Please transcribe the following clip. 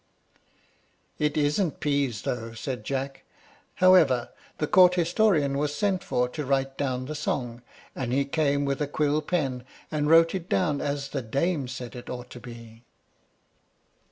"It isn't peas, though," said Jack. However, the court historian was sent for to write down the song, and he came with a quill pen, and wrote it down as the dame said it ought to be.